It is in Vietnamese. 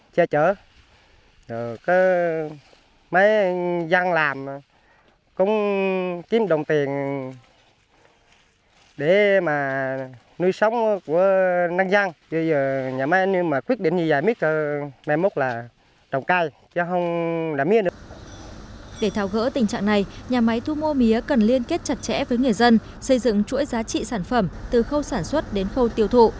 để thảo gỡ tình trạng này nhà máy thu mua mía cần liên kết chặt chẽ với người dân xây dựng chuỗi giá trị sản phẩm từ khâu sản xuất đến khâu tiêu thụ